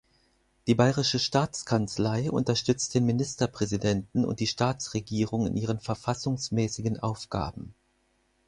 Die Bayerische Staatskanzlei unterstützt den Ministerpräsidenten und die Staatsregierung in ihren verfassungsmäßigen Aufgaben.